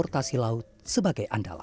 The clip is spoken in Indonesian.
rupiah rupiah rupiah bukan saja